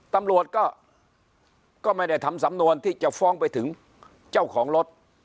ตำรวจก็ไม่ได้ทำสำนวนที่จะฟ้องไปถึงเจ้าของรถ